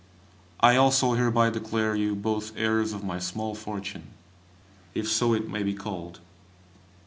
I also hereby declare you both heirs of my small fortune (if so it may be called).